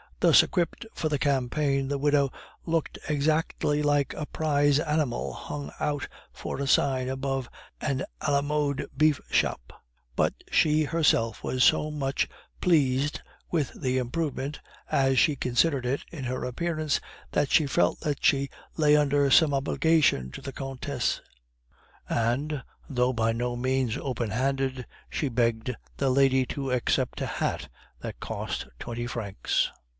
Thus equipped for the campaign, the widow looked exactly like the prize animal hung out for a sign above an a la mode beef shop; but she herself was so much pleased with the improvement, as she considered it, in her appearance, that she felt that she lay under some obligation to the Countess; and, though by no means open handed, she begged that lady to accept a hat that cost twenty francs.